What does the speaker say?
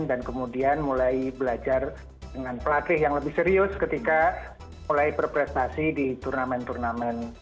dan kemudian mulai belajar dengan pelatih yang lebih serius ketika mulai berprestasi di turnamen turnamen natur yang ada